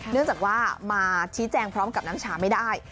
เนื่องจากว่ามาชี้แจงพร้อมกับน้ำชาไม่ได้